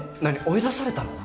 追い出されたの？